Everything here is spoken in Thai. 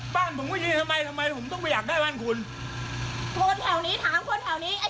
บ้านผมก็ยืนทำไมทำไมผมต้องไม่อยากได้บ้านคุณคนแถวนี้ถามคนแถวนี้ไอ้